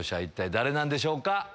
一体誰なんでしょうか？